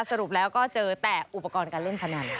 สรุปแล้วก็เจอแต่อุปกรณ์การเล่นพนัน